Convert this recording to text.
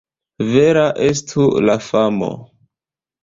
Vera estu la famo!